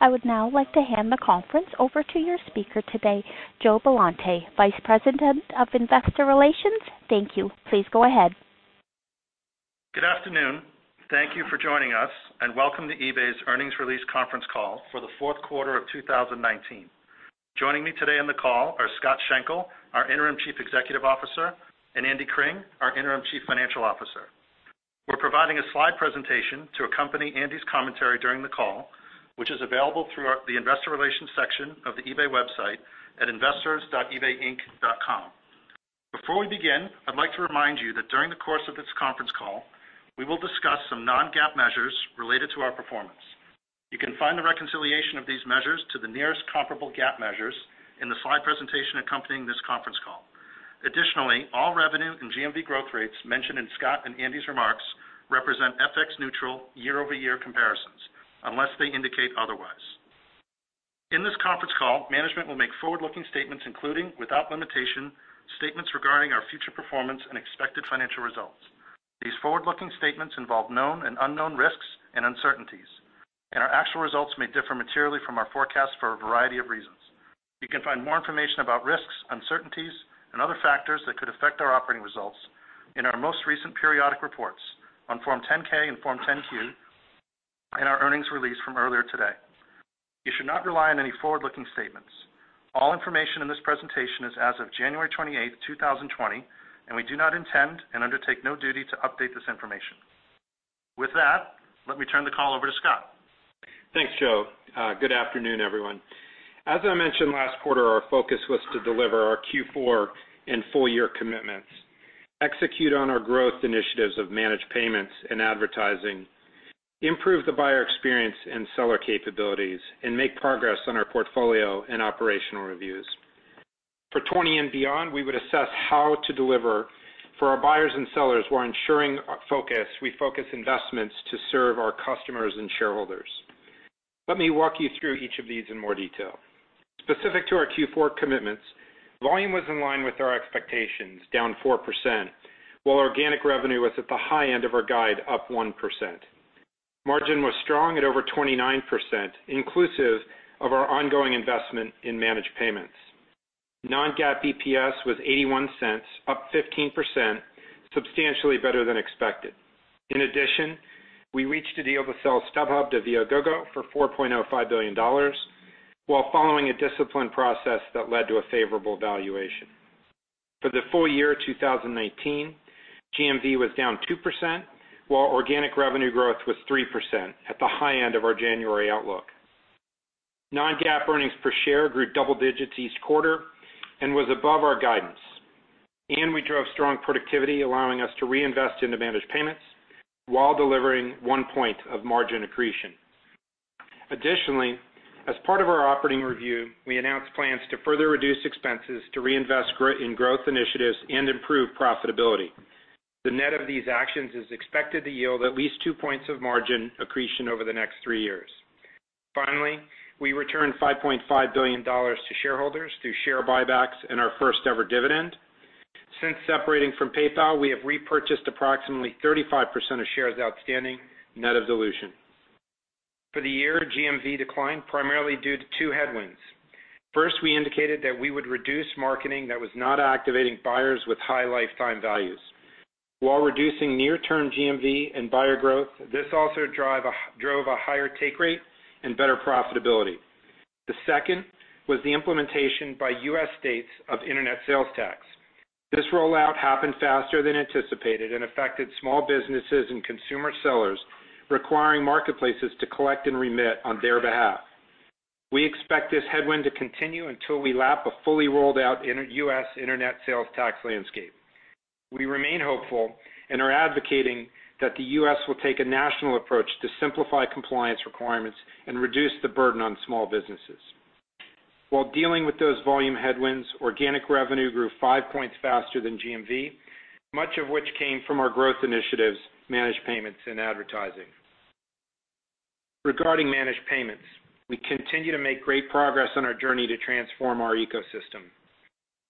I would now like to hand the conference over to your speaker today, Joe Billante, Vice President of Investor Relations. Thank you. Please go ahead. Good afternoon. Thank you for joining us, and welcome to eBay's earnings release conference call for the fourth quarter of 2019. Joining me today on the call are Scott Schenkel, our Interim Chief Executive Officer, and Andy Cring, our Interim Chief Financial Officer. We're providing a slide presentation to accompany Andy's commentary during the call, which is available through the investor relations section of the eBay website at investors.ebayinc.com. Before we begin, I'd like to remind you that during the course of this conference call, we will discuss some non-GAAP measures related to our performance. You can find the reconciliation of these measures to the nearest comparable GAAP measures in the slide presentation accompanying this conference call. Additionally, all revenue and GMV growth rates mentioned in Scott and Andy's remarks represent FX neutral year-over-year comparisons, unless they indicate otherwise. In this conference call, management will make forward-looking statements, including, without limitation, statements regarding our future performance and expected financial results. These forward-looking statements involve known and unknown risks and uncertainties, and our actual results may differ materially from our forecasts for a variety of reasons. You can find more information about risks, uncertainties and other factors that could affect our operating results in our most recent periodic reports on Form 10-K and Form 10-Q, and our earnings release from earlier today. You should not rely on any forward-looking statements. All information in this presentation is as of January 28th, 2020, and we do not intend and undertake no duty to update this information. With that, let me turn the call over to Scott. Thanks, Joe. Good afternoon, everyone. As I mentioned last quarter, our focus was to deliver our Q4 and full year commitments, execute on our growth initiatives of Managed Payments and advertising, improve the buyer experience and seller capabilities, and make progress on our portfolio and operational reviews. For 2020 and beyond, we would assess how to deliver for our buyers and sellers while ensuring we focus investments to serve our customers and shareholders. Let me walk you through each of these in more detail. Specific to our Q4 commitments, volume was in line with our expectations, down 4%, while organic revenue was at the high end of our guide, up 1%. Margin was strong at over 29%, inclusive of our ongoing investment in Managed Payments. Non-GAAP EPS was $0.81, up 15%, substantially better than expected. In addition, we reached a deal to sell StubHub to Viagogo for $4.05 billion while following a disciplined process that led to a favorable valuation. For the full year 2019, GMV was down 2%, while organic revenue growth was 3% at the high end of our January outlook. non-GAAP earnings per share grew double digits each quarter and was above our guidance. We drove strong productivity, allowing us to reinvest into Managed Payments while delivering 1 point of margin accretion. Additionally, as part of our operating review, we announced plans to further reduce expenses to reinvest in growth initiatives and improve profitability. The net of these actions is expected to yield at least 2 points of margin accretion over the next three years. Finally, we returned $5.5 billion to shareholders through share buybacks and our first-ever dividend. Since separating from PayPal, we have repurchased approximately 35% of shares outstanding, net of dilution. For the year, GMV declined primarily due to two headwinds. First, we indicated that we would reduce marketing that was not activating buyers with high lifetime values. While reducing near-term GMV and buyer growth, this also drove a higher take rate and better profitability. The second was the implementation by U.S. states of internet sales tax. This rollout happened faster than anticipated and affected small businesses and consumer sellers, requiring marketplaces to collect and remit on their behalf. We expect this headwind to continue until we lap a fully rolled out U.S. internet sales tax landscape. We remain hopeful and are advocating that the U.S. will take a national approach to simplify compliance requirements and reduce the burden on small businesses. While dealing with those volume headwinds, organic revenue grew 5 points faster than GMV, much of which came from our growth initiatives, Managed Payments and advertising. Regarding Managed Payments, we continue to make great progress on our journey to transform our ecosystem.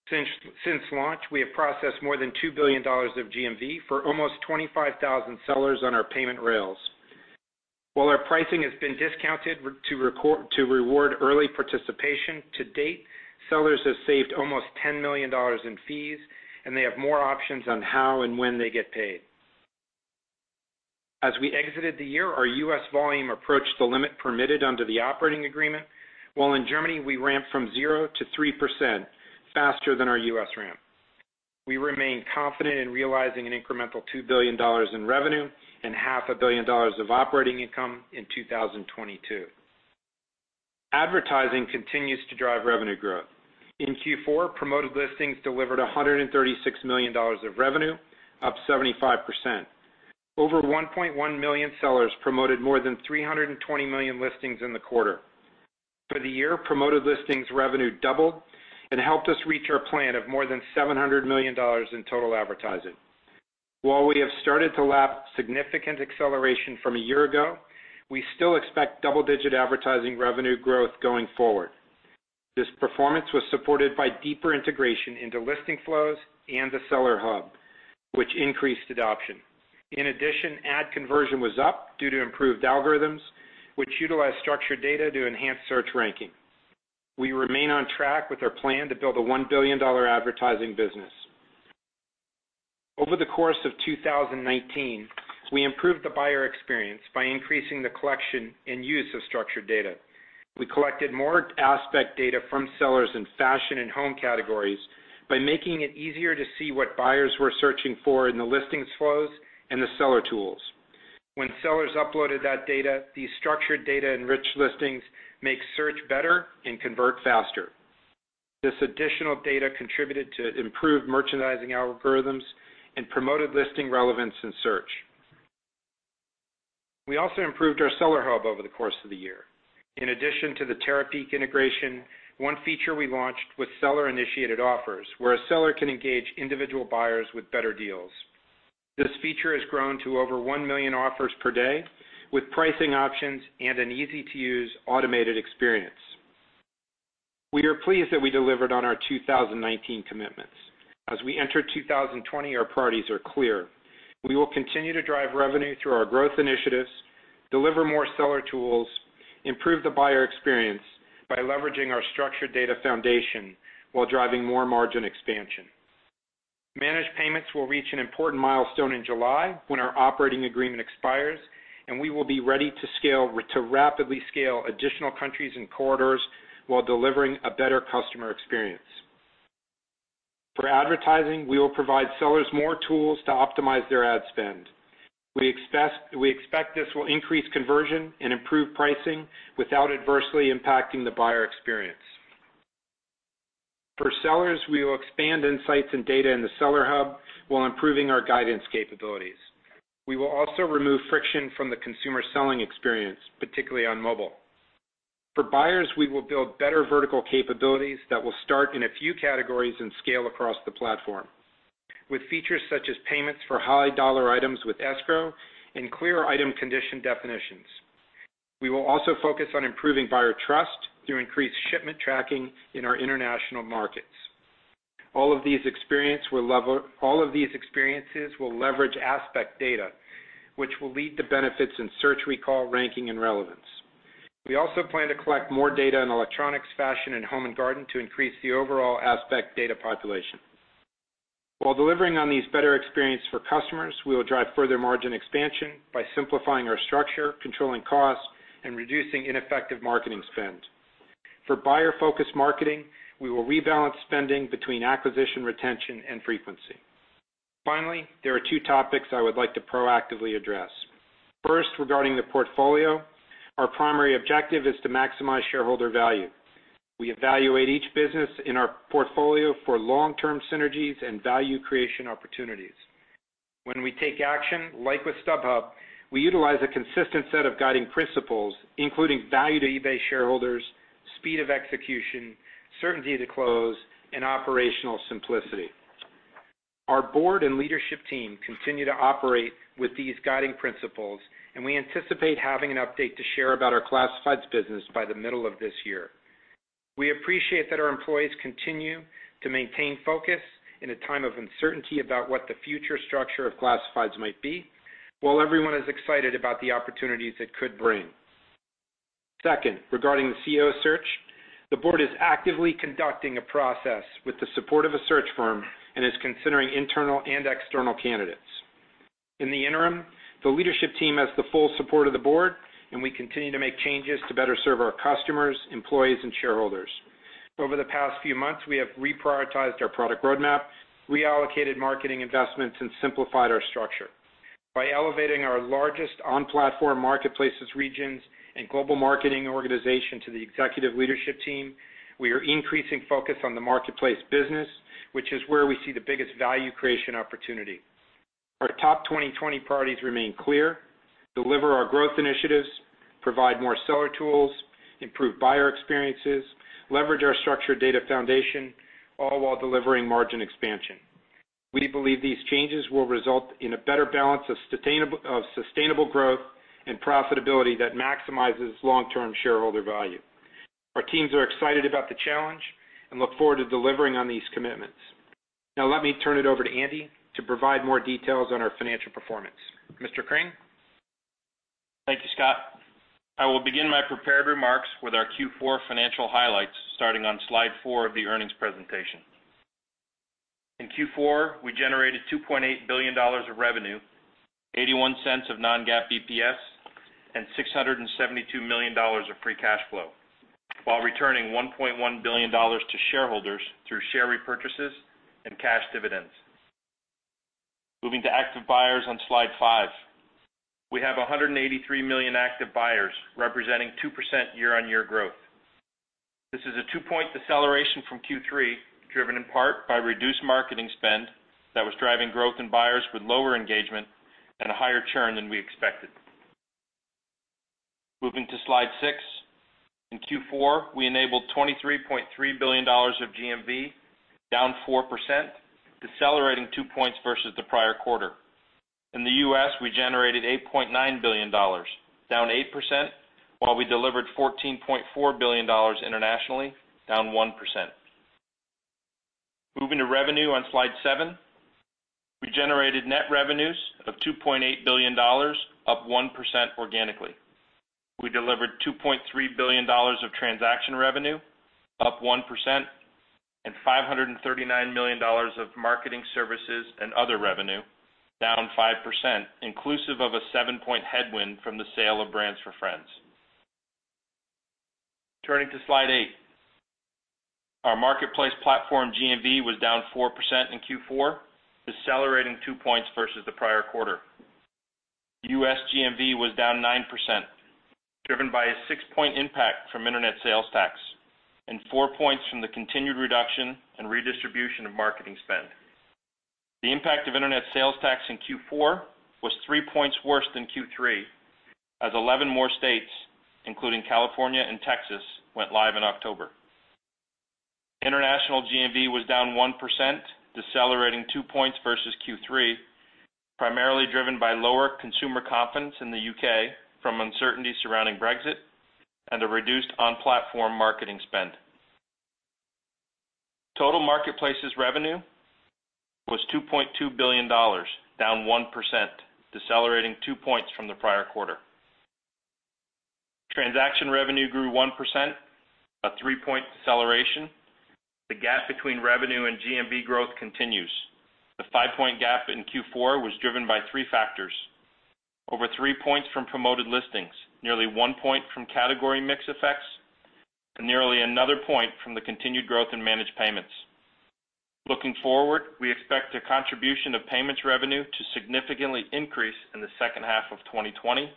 Since launch, we have processed more than $2 billion of GMV for almost 25,000 sellers on our payment rails. While our pricing has been discounted to reward early participation, to date, sellers have saved almost $10 million in fees, and they have more options on how and when they get paid. As we exited the year, our U.S. volume approached the limit permitted under the operating agreement, while in Germany, we ramped from 0 to 3% faster than our U.S. ramp. We remain confident in realizing an incremental $2 billion in revenue and half a billion dollars of operating income in 2022. Advertising continues to drive revenue growth. In Q4, Promoted Listings delivered $136 million of revenue, up 75%. Over 1.1 million sellers promoted more than 320 million listings in the quarter. For the year, Promoted Listings revenue doubled and helped us reach our plan of more than $700 million in total advertising. While we have started to lap significant acceleration from a year ago, we still expect double-digit advertising revenue growth going forward. This performance was supported by deeper integration into listing flows and the Seller Hub, which increased adoption. In addition, ad conversion was up due to improved algorithms, which utilized structured data to enhance search ranking. We remain on track with our plan to build a $1 billion advertising business. Over the course of 2019, we improved the buyer experience by increasing the collection and use of structured data. We collected more aspect data from sellers in fashion and home categories by making it easier to see what buyers were searching for in the listings flows and the seller tools. When sellers uploaded that data, the structured data-enriched listings make search better and convert faster. This additional data contributed to improved merchandising algorithms and Promoted Listings relevance in search. We also improved our Seller Hub over the course of the year. In addition to the Terapeak integration, one feature we launched with seller-initiated offers, where a seller can engage individual buyers with better deals. This feature has grown to over 1 million offers per day with pricing options and an easy-to-use automated experience. We are pleased that we delivered on our 2019 commitments. As we enter 2020, our priorities are clear. We will continue to drive revenue through our growth initiatives, deliver more seller tools, improve the buyer experience by leveraging our structured data foundation while driving more margin expansion. Managed Payments will reach an important milestone in July when our operating agreement expires, we will be ready to rapidly scale additional countries and corridors while delivering a better customer experience. For advertising, we will provide sellers more tools to optimize their ad spend. We expect this will increase conversion and improve pricing without adversely impacting the buyer experience. For sellers, we will expand insights and data in the Seller Hub while improving our guidance capabilities. We will also remove friction from the consumer selling experience, particularly on mobile. For buyers, we will build better vertical capabilities that will start in a few categories and scale across the platform with features such as payments for high-dollar items with escrow and clear item condition definitions. We will also focus on improving buyer trust through increased shipment tracking in our international markets. All of these experiences will leverage aspect data, which will lead to benefits in search recall, ranking and relevance. We also plan to collect more data on electronics, fashion and home and garden to increase the overall aspect data population. While delivering on these better experience for customers, we will drive further margin expansion by simplifying our structure, controlling costs and reducing ineffective marketing spend. For buyer-focused marketing, we will rebalance spending between acquisition, retention and frequency. Finally, there are two topics I would like to proactively address. First, regarding the portfolio, our primary objective is to maximize shareholder value. We evaluate each business in our portfolio for long-term synergies and value creation opportunities. When we take action, like with StubHub, we utilize a consistent set of guiding principles, including value to eBay shareholders, speed of execution, certainty to close and operational simplicity. Our board and leadership team continue to operate with these guiding principles, and we anticipate having an update to share about our classifieds business by the middle of this year. We appreciate that our employees continue to maintain focus in a time of uncertainty about what the future structure of classifieds might be, while everyone is excited about the opportunities it could bring. Second, regarding the CEO search, the board is actively conducting a process with the support of a search firm and is considering internal and external candidates. In the interim, the leadership team has the full support of the board, and we continue to make changes to better serve our customers, employees and shareholders. Over the past few months, we have reprioritized our product roadmap, reallocated marketing investments and simplified our structure. By elevating our largest on-platform marketplaces regions and global marketing organization to the executive leadership team, we are increasing focus on the marketplace business, which is where we see the biggest value creation opportunity. Our top 2020 priorities remain clear, deliver our growth initiatives, provide more seller tools, improve buyer experiences, leverage our structured data foundation, all while delivering margin expansion. We believe these changes will result in a better balance of sustainable growth and profitability that maximizes long-term shareholder value. Our teams are excited about the challenge and look forward to delivering on these commitments. Let me turn it over to Andy to provide more details on our financial performance. Mr. Cring? Thank you, Scott. I will begin my prepared remarks with our Q4 financial highlights starting on slide four of the earnings presentation. In Q4, we generated $2.8 billion of revenue, $0.81 of non-GAAP EPS and $672 million of free cash flow while returning $1.1 billion to shareholders through share repurchases and cash dividends. Moving to active buyers on slide five. We have 183 million active buyers, representing 2% year-on-year growth. This is a 2-point deceleration from Q3, driven in part by reduced marketing spend that was driving growth in buyers with lower engagement and a higher churn than we expected. Moving to slide six. In Q4, we enabled $23.3 billion of GMV, down 4%, decelerating 2 points versus the prior quarter. In the U.S., we generated $8.9 billion, down 8%, while we delivered $14.4 billion internationally, down 1%. Moving to revenue on slide seven. We generated net revenues of $2.8 billion, up 1% organically. We delivered $2.3 billion of transaction revenue, up 1%, and $539 million of marketing services and other revenue, down 5%, inclusive of a seven-point headwind from the sale of brands4friends. Turning to slide eight. Our marketplace platform GMV was down 4% in Q4, decelerating 2 points versus the prior quarter. U.S. GMV was down 9%, driven by a 6-point impact from internet sales tax and 4 points from the continued reduction and redistribution of marketing spend. The impact of internet sales tax in Q4 was three points worse than Q3, as 11 more states, including California and Texas, went live in October. International GMV was down 1%, decelerating two points versus Q3, primarily driven by lower consumer confidence in the U.K. from uncertainty surrounding Brexit and a reduced on-platform marketing spend. Total marketplaces revenue was $2.2 billion, down 1%, decelerating two points from the prior quarter. Transaction revenue grew 1%, a 3-point deceleration. The gap between revenue and GMV growth continues. The 5-point gap in Q4 was driven by three factors. Over three points from Promoted Listings, nearly one point from category mix effects, and nearly another point from the continued growth in Managed Payments. Looking forward, we expect the contribution of payments revenue to significantly increase in the second half of 2020,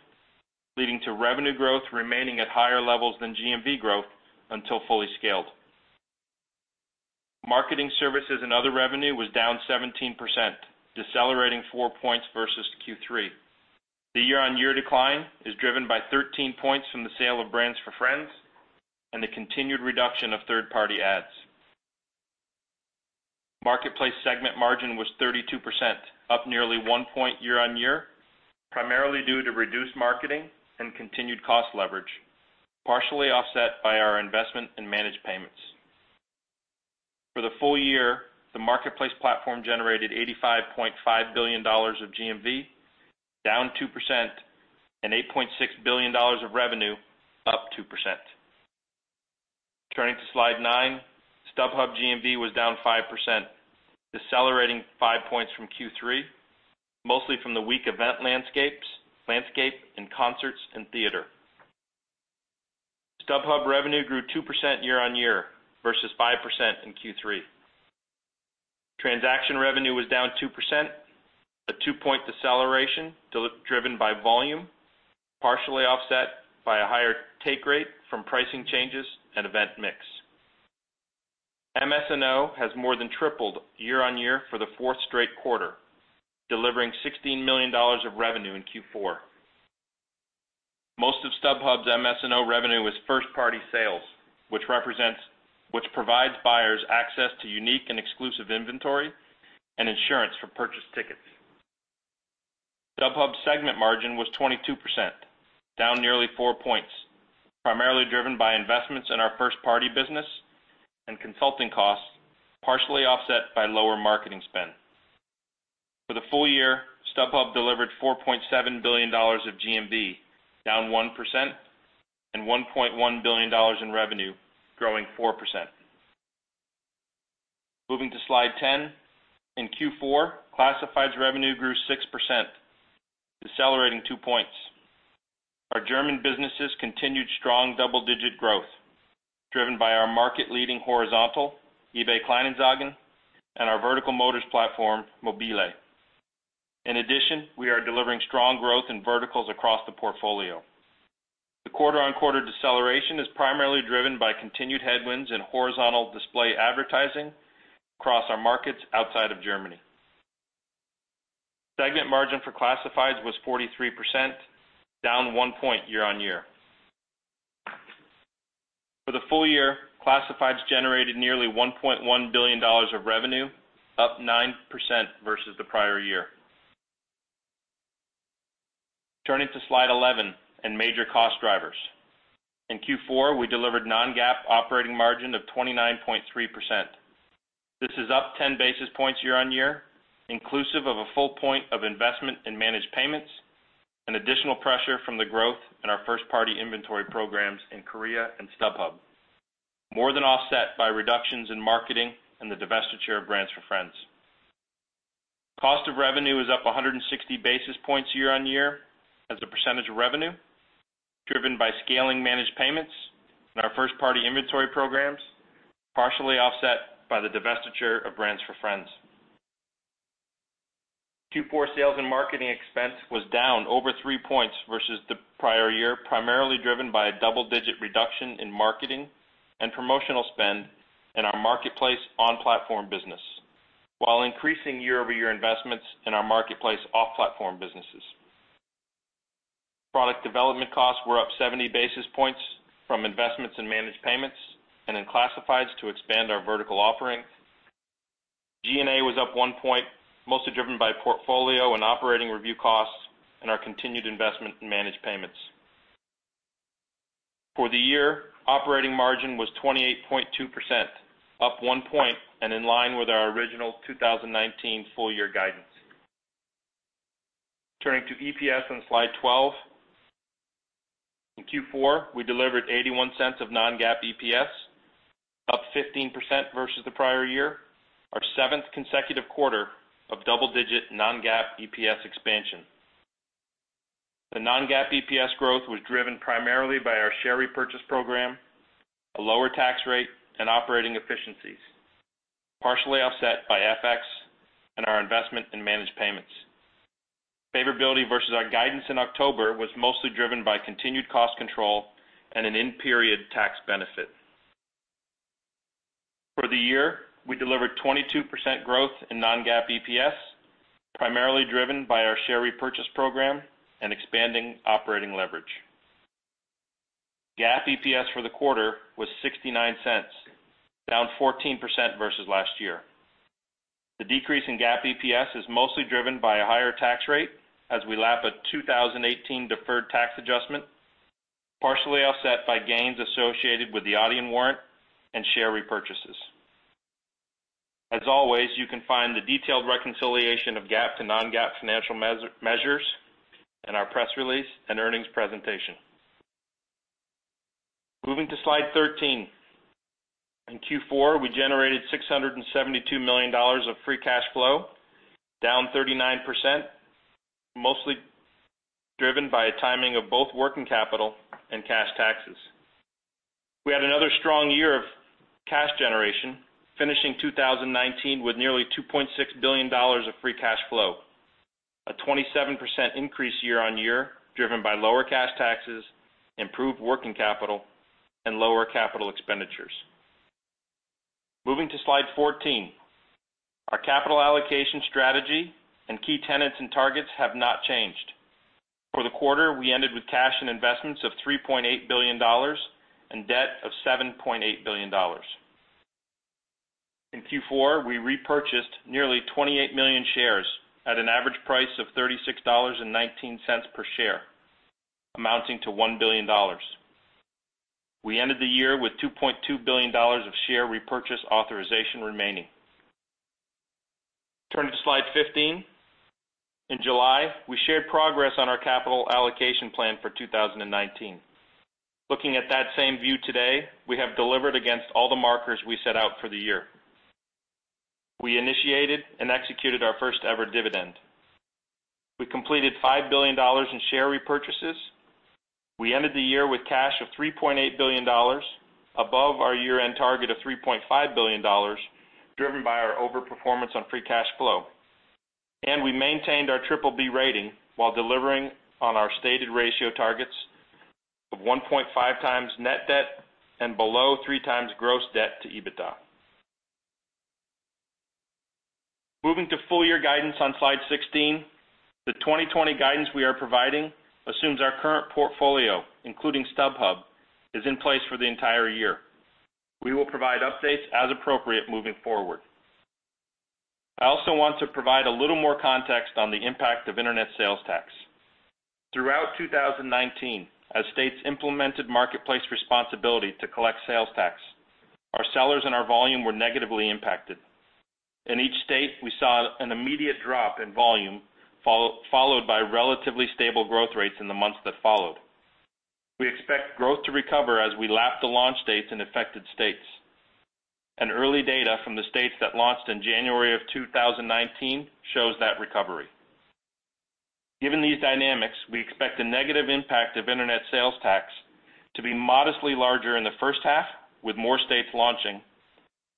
leading to revenue growth remaining at higher levels than GMV growth until fully scaled. Marketing services and other revenue was down 17%, decelerating 4 points versus Q3. The year-on-year decline is driven by 13 points from the sale of brands4friends and the continued reduction of third-party ads. Marketplace segment margin was 32%, up nearly 1 point year-on-year, primarily due to reduced marketing and continued cost leverage, partially offset by our investment in Managed Payments. For the full year, the marketplace platform generated $85.5 billion of GMV, down 2%, and $8.6 billion of revenue, up 2%. Turning to slide nine. StubHub GMV was down 5%, decelerating 5 points from Q3, mostly from the weak event landscape in concerts and theater. StubHub revenue grew 2% year-on-year versus 5% in Q3. Transaction revenue was down 2%, a 2-point deceleration driven by volume, partially offset by a higher take rate from pricing changes and event mix. MS&O has more than tripled year-on-year for the fourth straight quarter, delivering $16 million of revenue in Q4. Most of StubHub's MS&O revenue is first-party sales, which provides buyers access to unique and exclusive inventory and insurance for purchased tickets. StubHub's segment margin was 22%, down nearly 4 points, primarily driven by investments in our first-party business and consulting costs, partially offset by lower marketing spend. For the full year, StubHub delivered $4.7 billion of GMV, down 1%, and $1.1 billion in revenue, growing 4%. Moving to slide 10. In Q4, Classifieds revenue grew 6%, decelerating 2 points. Our German businesses continued strong double-digit growth, driven by our market-leading horizontal, eBay Kleinanzeigen, and our vertical motors platform, mobile.de. In addition, we are delivering strong growth in verticals across the portfolio. The quarter-on-quarter deceleration is primarily driven by continued headwinds in horizontal display advertising across our markets outside of Germany. Segment margin for Classifieds was 43%, down 1 point year-on-year. For the full year, Classifieds generated nearly $1.1 billion of revenue, up 9% versus the prior year. Turning to slide 11 and major cost drivers. In Q4, we delivered non-GAAP operating margin of 29.3%. This is up 10 basis points year-over-year, inclusive of a 1 point of investment in Managed Payments, an additional pressure from the growth in our first-party inventory programs in Korea and StubHub, more than offset by reductions in marketing and the divestiture of brands4friends. Cost of revenue is up 160 basis points year-over-year as a percentage of revenue, driven by scaling Managed Payments. Our first-party inventory programs partially offset by the divestiture of brands4friends. Q4 sales and marketing expense was down over 3 points versus the prior year, primarily driven by a double-digit reduction in marketing and promotional spend in our marketplace on-platform business, while increasing year-over-year investments in our marketplace off-platform businesses. Product development costs were up 70 basis points from investments in Managed Payments and in classifieds to expand our vertical offering. G&A was up 1 point, mostly driven by portfolio and operating review costs and our continued investment in Managed Payments. For the year, operating margin was 28.2%, up 1 point and in line with our original 2019 full-year guidance. Turning to EPS on slide 12. In Q4, we delivered $0.81 of non-GAAP EPS, up 15% versus the prior year, our seventh consecutive quarter of double-digit non-GAAP EPS expansion. The non-GAAP EPS growth was driven primarily by our share repurchase program, a lower tax rate, and operating efficiencies, partially offset by FX and our investment in Managed Payments. Favorability versus our guidance in October was mostly driven by continued cost control and an in-period tax benefit. For the year, we delivered 22% growth in non-GAAP EPS, primarily driven by our share repurchase program and expanding operating leverage. GAAP EPS for the quarter was $0.69, down 14% versus last year. The decrease in GAAP EPS is mostly driven by a higher tax rate as we lap a 2018 deferred tax adjustment, partially offset by gains associated with the Adyen warrant and share repurchases. As always, you can find the detailed reconciliation of GAAP to non-GAAP financial measures in our press release and earnings presentation. Moving to slide 13. In Q4, we generated $672 million of free cash flow, down 39%, mostly driven by a timing of both working capital and cash taxes. We had another strong year of cash generation, finishing 2019 with nearly $2.6 billion of free cash flow, a 27% increase year-on-year, driven by lower cash taxes, improved working capital, and lower capital expenditures. Moving to slide 14. Our capital allocation strategy and key tenets and targets have not changed. For the quarter, we ended with cash and investments of $3.8 billion and debt of $7.8 billion. In Q4, we repurchased nearly 28 million shares at an average price of $36.19 per share, amounting to $1 billion. We ended the year with $2.2 billion of share repurchase authorization remaining. Turning to slide 15. In July, we shared progress on our capital allocation plan for 2019. Looking at that same view today, we have delivered against all the markers we set out for the year. We initiated and executed our first-ever dividend. We completed $5 billion in share repurchases. We ended the year with cash of $3.8 billion, above our year-end target of $3.5 billion, driven by our overperformance on free cash flow. We maintained our BBB rating while delivering on our stated ratio targets of 1.5x net debt and below 3x gross debt to EBITDA. Moving to full year guidance on slide 16. The 2020 guidance we are providing assumes our current portfolio, including StubHub, is in place for the entire year. We will provide updates as appropriate moving forward. I also want to provide a little more context on the impact of internet sales tax. Throughout 2019, as states implemented marketplace responsibility to collect sales tax, our sellers and our volume were negatively impacted. In each state, we saw an immediate drop in volume followed by relatively stable growth rates in the months that followed. We expect growth to recover as we lap the launch dates in affected states. Early data from the states that launched in January of 2019 shows that recovery. Given these dynamics, we expect the negative impact of internet sales tax to be modestly larger in the first half with more states launching,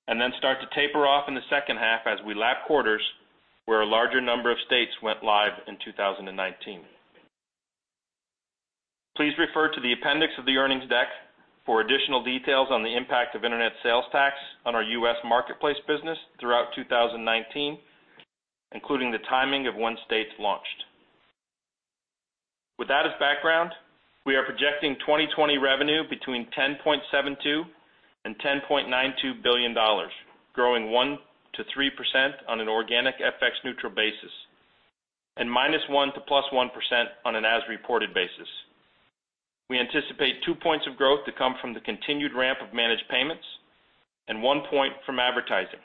and then start to taper off in the second half as we lap quarters where a larger number of states went live in 2019. Please refer to the appendix of the earnings deck for additional details on the impact of internet sales tax on our U.S. marketplace business throughout 2019, including the timing of when states launched. With that as background, we are projecting 2020 revenue between $10.72 billion and $10.92 billion, growing 1%-3% on an organic FX neutral basis, and -1% to +1% on an as-reported basis. We anticipate 2 points of growth to come from the continued ramp of Managed Payments and 1 point from advertising,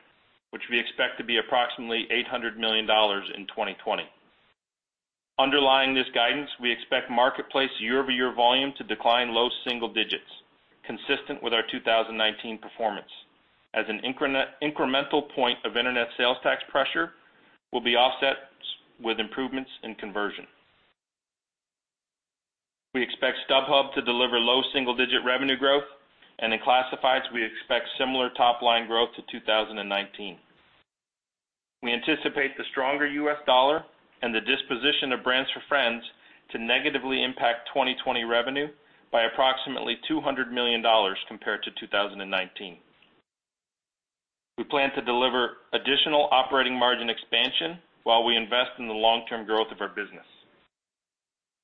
which we expect to be approximately $800 million in 2020. Underlying this guidance, we expect marketplace year-over-year volume to decline low single digits, consistent with our 2019 performance, as an incremental point of internet sales tax pressure will be offset with improvements in conversion. We expect StubHub to deliver low single-digit revenue growth, and in Classifieds, we expect similar top-line growth to 2019. We anticipate the stronger U.S. dollar and the disposition of brands4friends to negatively impact 2020 revenue by approximately $200 million compared to 2019. We plan to deliver additional operating margin expansion while we invest in the long-term growth of our business.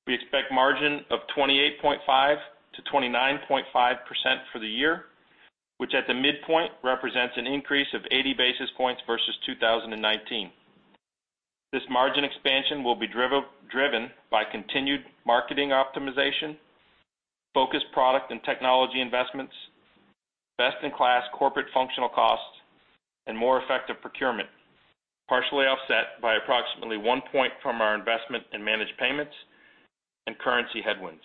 We expect margin of 28.5%-29.5% for the year, which at the midpoint represents an increase of 80 basis points versus 2019. This margin expansion will be driven by continued marketing optimization, focused product and technology investments, best-in-class corporate functional costs, and more effective procurement, partially offset by approximately 1 point from our investment in Managed Payments and currency headwinds.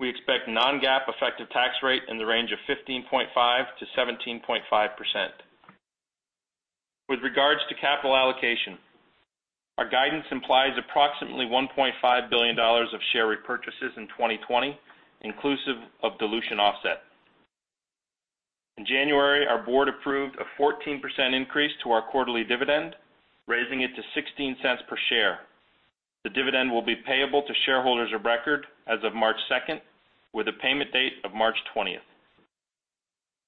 We expect non-GAAP effective tax rate in the range of 15.5%-17.5%. With regards to capital allocation, our guidance implies approximately $1.5 billion of share repurchases in 2020, inclusive of dilution offset. In January, our board approved a 14% increase to our quarterly dividend, raising it to $0.16 per share. The dividend will be payable to shareholders of record as of March 2, with a payment date of March 20.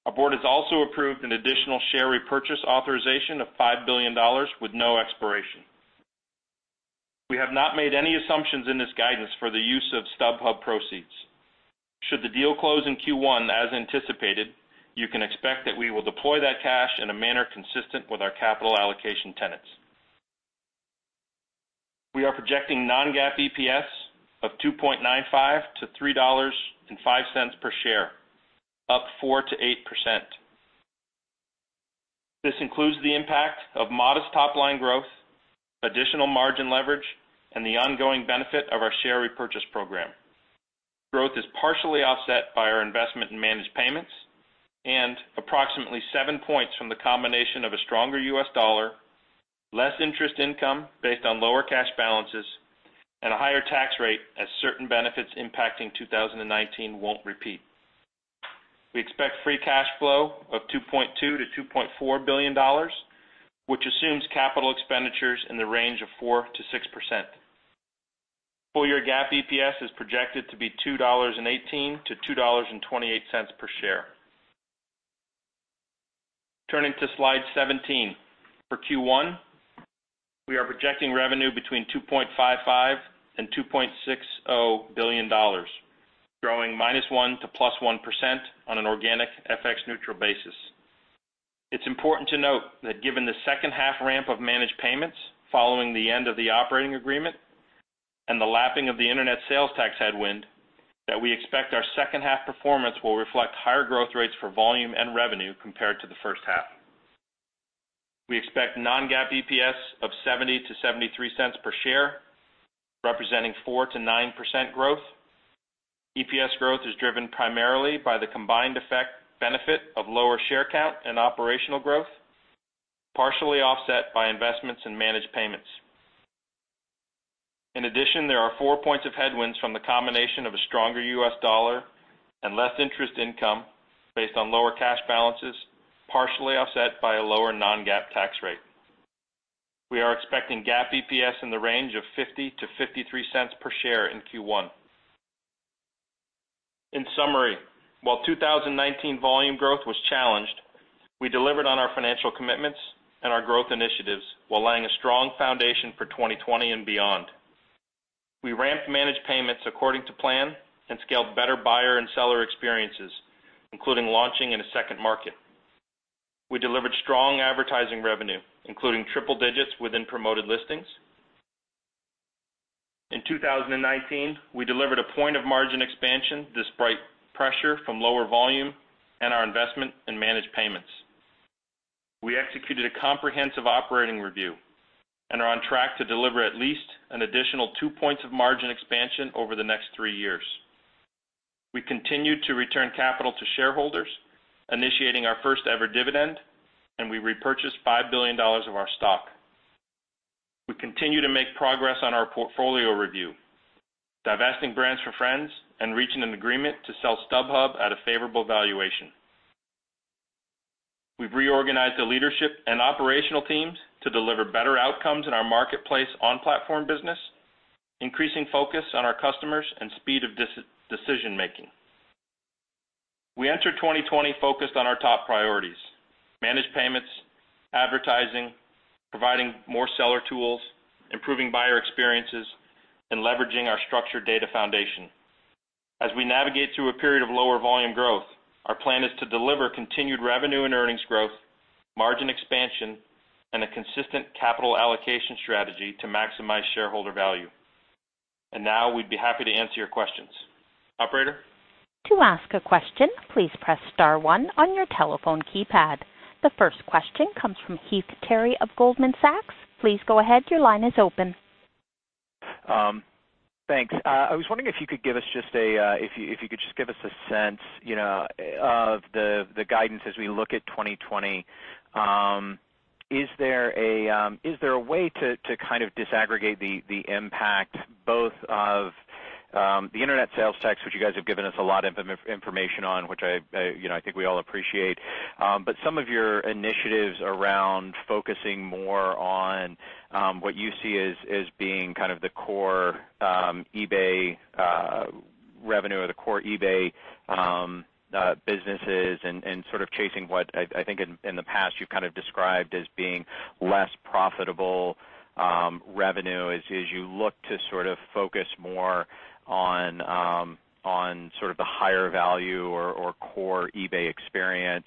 Our board has also approved an additional share repurchase authorization of $5 billion with no expiration. We have not made any assumptions in this guidance for the use of StubHub proceeds. Should the deal close in Q1 as anticipated, you can expect that we will deploy that cash in a manner consistent with our capital allocation tenets. We are projecting non-GAAP EPS of $2.95-$3.05 per share, up 4%-8%. This includes the impact of modest top-line growth, additional margin leverage, and the ongoing benefit of our share repurchase program. Growth is partially offset by our investment in Managed Payments and approximately 7 points from the combination of a stronger US dollar, less interest income based on lower cash balances, and a higher tax rate as certain benefits impacting 2019 won't repeat. We expect free cash flow of $2.2 billion-$2.4 billion, which assumes capital expenditures in the range of 4%-6%. Full-year GAAP EPS is projected to be $2.18-$2.28 per share. Turning to slide 17. For Q1, we are projecting revenue between $2.55 billion and $2.6 billion, growing -1% to +1% on an organic FX neutral basis. It's important to note that given the second half ramp of Managed Payments following the end of the operating agreement and the lapping of the internet sales tax headwind, that we expect our second half performance will reflect higher growth rates for volume and revenue compared to the first half. We expect non-GAAP EPS of $0.70-$0.73 per share, representing 4%-9% growth. EPS growth is driven primarily by the combined effect benefit of lower share count and operational growth, partially offset by investments in Managed Payments. There are 4 points of headwinds from the combination of a stronger U.S. dollar and less interest income based on lower cash balances, partially offset by a lower non-GAAP tax rate. We are expecting GAAP EPS in the range of $0.50-$0.53 per share in Q1. In summary, while 2019 volume growth was challenged, we delivered on our financial commitments and our growth initiatives while laying a strong foundation for 2020 and beyond. We ramped Managed Payments according to plan and scaled better buyer and seller experiences, including launching in a second market. We delivered strong advertising revenue, including triple digits within Promoted Listings. In 2019, we delivered a point of margin expansion despite pressure from lower volume and our investment in Managed Payments. We executed a comprehensive operating review and are on track to deliver at least an additional two points of margin expansion over the next three years. We continued to return capital to shareholders, initiating our first-ever dividend, and we repurchased $5 billion of our stock. We continue to make progress on our portfolio review, divesting brands4friends and reaching an agreement to sell StubHub at a favorable valuation. We've reorganized the leadership and operational teams to deliver better outcomes in our marketplace on-platform business, increasing focus on our customers and speed of decision-making. We enter 2020 focused on our top priorities: Managed Payments, advertising, providing more seller tools, improving buyer experiences, and leveraging our structured data foundation. As we navigate through a period of lower volume growth, our plan is to deliver continued revenue and earnings growth, margin expansion, and a consistent capital allocation strategy to maximize shareholder value. Now, we'd be happy to answer your questions. Operator? To ask a question, please press star one on your telephone keypad. The first question comes from Heath Terry of Goldman Sachs. Please go ahead. Thanks. I was wondering if you could just give us a sense, you know, of the guidance as we look at 2020. Is there a way to kind of disaggregate the impact both of the internet sales tax, which you guys have given us a lot of information on, which I, you know, I think we all appreciate. But some of your initiatives around focusing more on what you see as being kind of the core eBay revenue or the core eBay businesses and sort of chasing what I think in the past you've kind of described as being less profitable revenue as you look to sort of focus more on sort of the higher value or core eBay experience.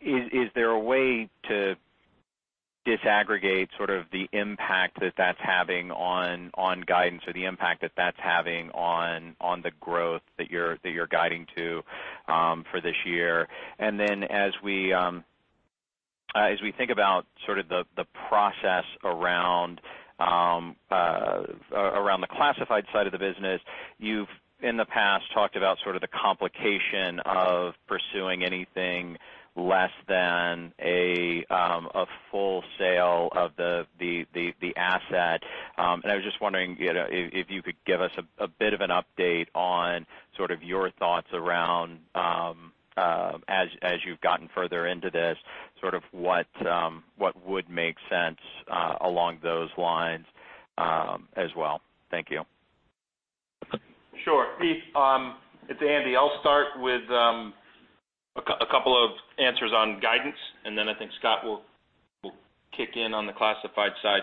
Is there a way to disaggregate sort of the impact that's having on guidance or the impact that's having on the growth that you're guiding to for this year? As we think about sort of the process around the classified side of the business, you've, in the past, talked about sort of the complication of pursuing anything less than a full sale of the asset. I was just wondering, you know, if you could give us a bit of an update on sort of your thoughts around, as you've gotten further into this, sort of what would make sense, along those lines, as well. Thank you. Heath, it's Andy. I'll start with a couple of answers on guidance, and then I think Scott will kick in on the classified side.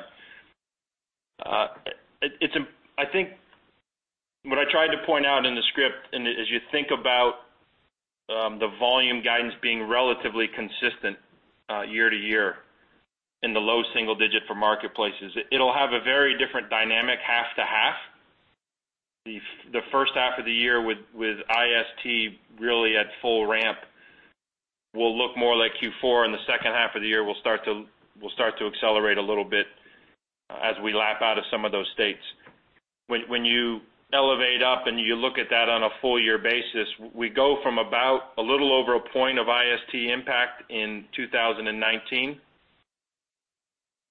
I think what I tried to point out in the script and as you think about the volume guidance being relatively consistent year-to-year in the low single-digit for marketplaces, it'll have a very different dynamic half-to-half. The first half of the year with IST really at full ramp will look more like Q4, and the second half of the year will start to accelerate a little bit as we lap out of some of those states. When you elevate up and you look at that on a full year basis, we go from about a little over 1 point of IST impact in 2019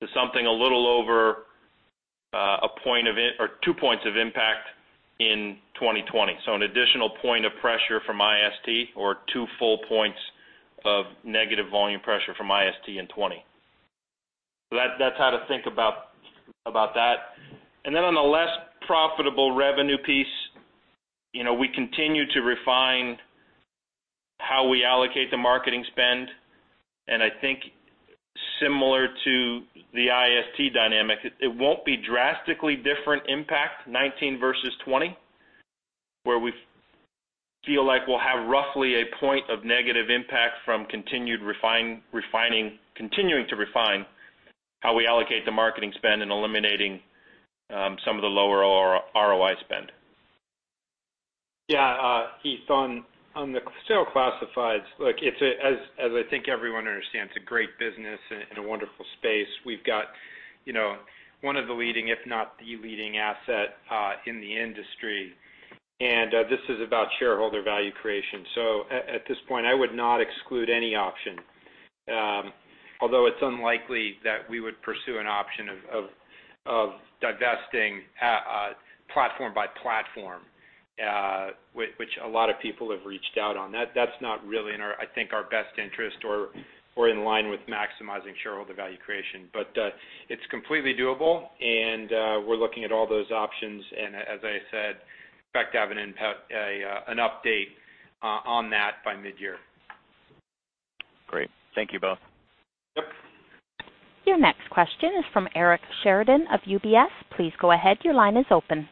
to something a little over 1 point or 2 points of impact in 2020. An additional 1 point of pressure from IST or 2 full points of negative volume pressure from IST in 2020. That, that's how to think about that. On the less profitable revenue piece, you know, we continue to refine how we allocate the marketing spend, and I think similar to the IST dynamic, it won't be drastically different impact 2019 versus 2020, where we feel like we'll have roughly 1 point of negative impact from refining continuing to refine how we allocate the marketing spend and eliminating some of the lower ROI spend. Heath, on the sale of classifieds, look, it's a As I think everyone understands, a great business and a wonderful space. We've got, you know, one of the leading, if not the leading asset in the industry, and this is about shareholder value creation. At this point, I would not exclude any option, although it's unlikely that we would pursue an option of divesting a platform by platform, which a lot of people have reached out on. That's not really in our, I think, our best interest or in line with maximizing shareholder value creation. It's completely doable, and we're looking at all those options. As I said, expect to have an update on that by midyear. Great. Thank you both. Yep. Your next question is from Eric Sheridan of UBS. Please go ahead. Your line is open.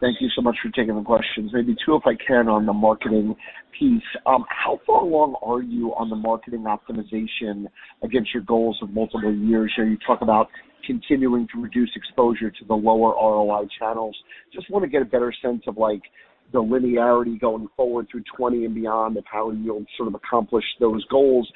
Thank you so much for taking the questions. Maybe two, if I can, on the marketing piece. How far along are you on the marketing optimization against your goals of multiple years? You know, you talk about continuing to reduce exposure to the lower ROI channels. Just want to get a better sense of, like, the linearity going forward through 2020 and beyond of how you'll sort of accomplish those goals.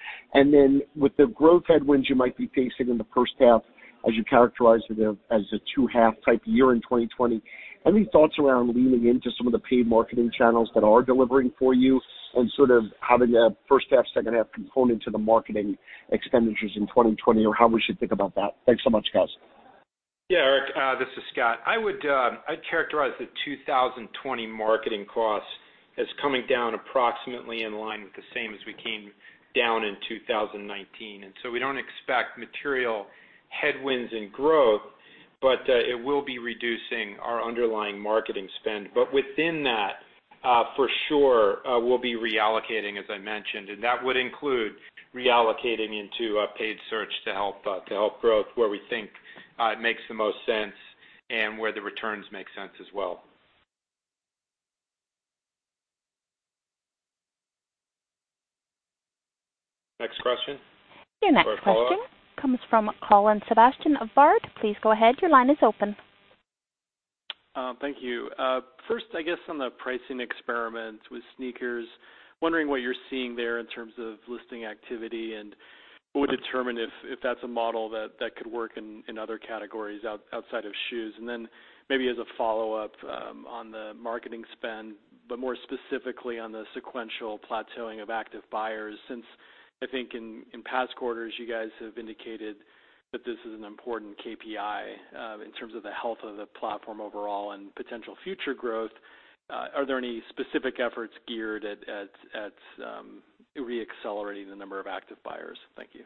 With the growth headwinds you might be facing in the first half, as you characterize it as a two half type year in 2020, any thoughts around leaning into some of the paid marketing channels that are delivering for you and sort of having a first half, second half component to the marketing expenditures in 2020, or how we should think about that? Thanks so much, guys. Yeah, Eric, this is Scott. I would, I'd characterize the 2020 marketing costs as coming down approximately in line with the same as we came down in 2019. We don't expect material headwinds in growth, but it will be reducing our underlying marketing spend. Within that, for sure, we'll be reallocating, as I mentioned, and that would include reallocating into paid search to help to help growth where we think it makes the most sense and where the returns make sense as well. Next question. Your next question comes from Colin Sebastian of Baird. Please go ahead. Your line is open. Thank you. First, I guess on the pricing experiments with sneakers, wondering what you're seeing there in terms of listing activity and what would determine if that's a model that could work in other categories outside of shoes. Maybe as a follow-up, on the marketing spend, but more specifically on the sequential plateauing of active buyers since I think in past quarters you guys have indicated that this is an important KPI in terms of the health of the platform overall and potential future growth. Are there any specific efforts geared at re-accelerating the number of active buyers? Thank you.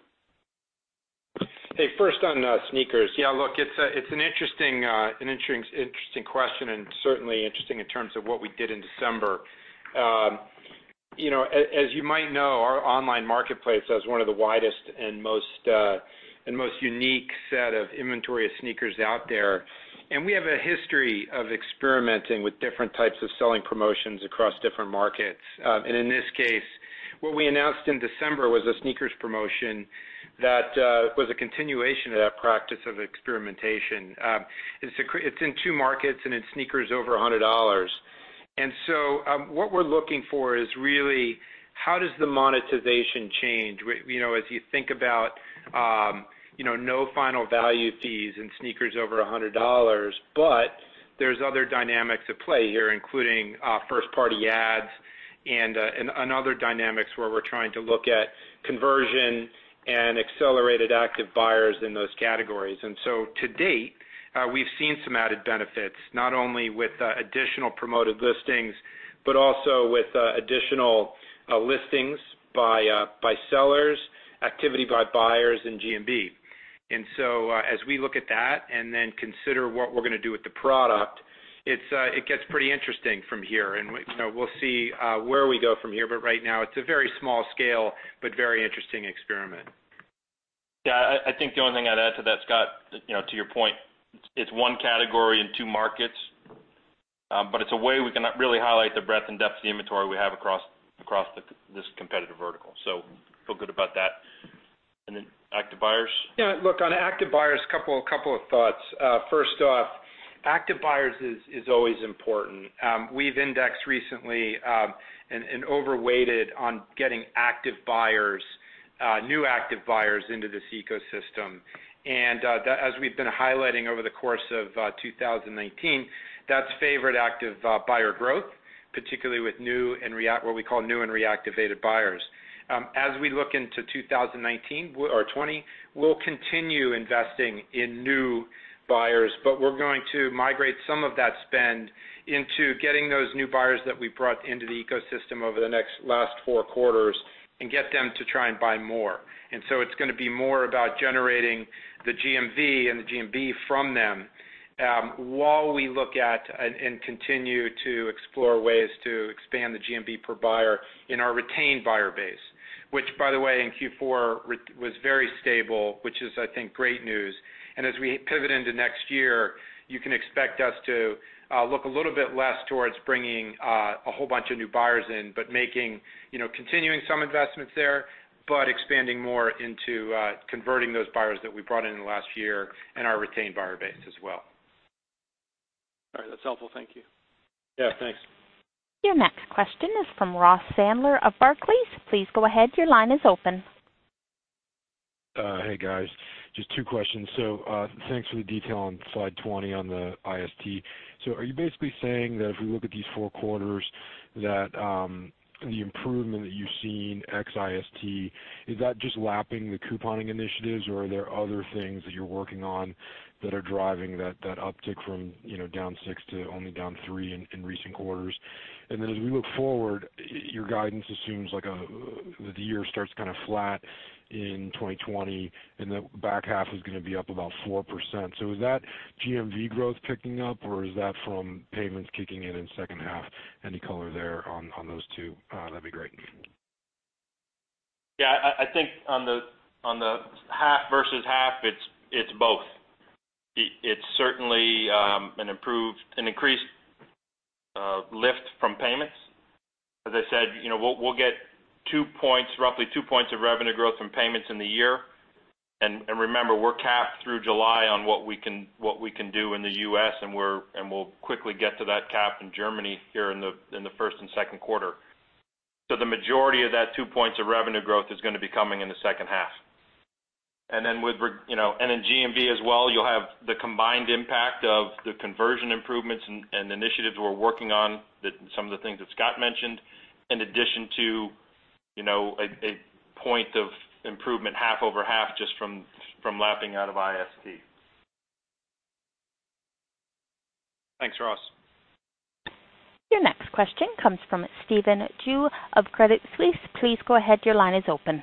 Hey, first on sneakers. Yeah, look, it's an interesting question and certainly interesting in terms of what we did in December. As you might know, our online marketplace has one of the widest and most unique set of inventory of sneakers out there. We have a history of experimenting with different types of selling promotions across different markets. In this case, what we announced in December was a sneakers promotion that was a continuation of that practice of experimentation. It's in two markets, and it's sneakers over $100. What we're looking for is really how does the monetization change with, you know, as you think about, you know, no final value fees in sneakers over $100. There's other dynamics at play here, including first party ads and other dynamics where we're trying to look at conversion and accelerated active buyers in those categories. To date, we've seen some added benefits, not only with additional Promoted Listings, but also with additional listings by sellers, activity by buyers and GMV. As we look at that and then consider what we're gonna do with the product, it gets pretty interesting from here. We, you know, we'll see where we go from here, but right now it's a very small scale but very interesting experiment. I think the only thing I'd add to that, Scott, you know, to your point, it's one category in two markets. It's a way we can really highlight the breadth and depth of the inventory we have across the, this competitive vertical. Feel good about that. Then active buyers. Yeah. Look, on active buyers, a couple of thoughts. First off, active buyers is always important. We've indexed recently and overweighted on getting active buyers, new active buyers into this ecosystem. That, as we've been highlighting over the course of 2019, that's favored active buyer growth, particularly with what we call new and reactivated buyers. As we look into 2019 or 2020, we'll continue investing in new buyers, but we're going to migrate some of that spend into getting those new buyers that we brought into the ecosystem over the last four quarters and get them to try and buy more. It's gonna be more about generating the GMV and the GMV from them, while we look at and continue to explore ways to expand the GMV per buyer in our retained buyer base, which by the way, in Q4 was very stable, which is, I think, great news. As we pivot into next year, you can expect us to look a little bit less towards bringing a whole bunch of new buyers in, but making, you know, continuing some investments there, but expanding more into converting those buyers that we brought in last year and our retained buyer base as well. All right. That's helpful. Thank you. Yeah, thanks. Your next question is from Ross Sandler of Barclays. Please go ahead. Your line is open. Hey, guys. Just two questions. Thanks for the detail on slide 20 on the IST. Are you basically saying that if we look at these 4 quarters, that the improvement that you've seen ex IST, is that just lapping the couponing initiatives, or are there other things that you're working on that are driving that uptick from, you know, down 6 to only down 3 in recent quarters? As we look forward, your guidance assumes like a, the year starts kind of flat in 2020, and the back half is gonna be up about 4%. Is that GMV growth picking up, or is that from payments kicking in in second half? Any color there on those two, that'd be great. Yeah. I think on the half versus half, it's both. It's certainly an increased lift from payments. As I said, you know, we'll get 2 points, roughly 2 points of revenue growth from payments in the year. Remember, we're capped through July on what we can do in the U.S., and we'll quickly get to that cap in Germany here in the first and second quarter. The majority of that 2 points of revenue growth is gonna be coming in the second half. Then with re- you know, and then GMV as well, you'll have the combined impact of the conversion improvements and initiatives we're working on that some of the things that Scott mentioned, in addition to, you know, a point of improvement half over half just from lapping out of IST. Thanks, Ross. Your next question comes from Stephen Ju of Credit Suisse. Please go ahead. Your line is open.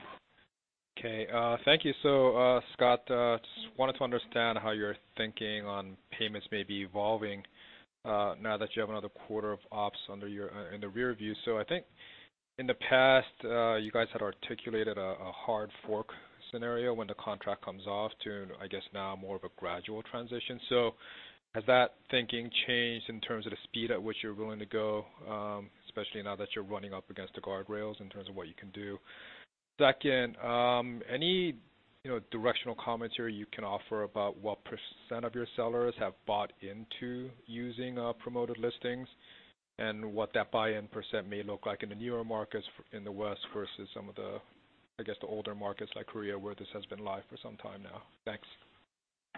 Okay. Thank you. Scott, just wanted to understand how your thinking on payments may be evolving, now that you have another quarter of ops under your in the rear view. I think in the past, you guys had articulated a hard fork scenario when the contract comes off to, I guess now more of a gradual transition. Has that thinking changed in terms of the speed at which you're willing to go, especially now that you're running up against the guardrails in terms of what you can do? Second, any, you know, directional commentary you can offer about what percent of your sellers have bought into using, Promoted Listings and what that buy-in percent may look like in the newer markets in the West versus some of the, I guess, the older markets like Korea, where this has been live for some time now. Thanks.